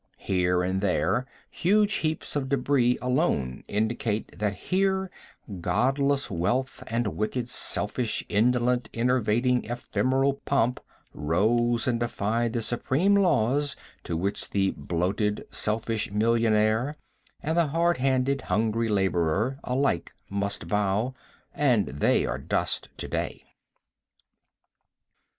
Here and there huge heaps of debris alone indicate that here Godless wealth and wicked, selfish, indolent, enervating, ephemeral pomp, rose and defied the supreme laws to which the bloated, selfish millionaire and the hard handed, hungry laborer alike must bow, and they are dust to day.